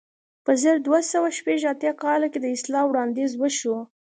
په زر دوه سوه شپږ اتیا کال کې د اصلاح وړاندیز وشو.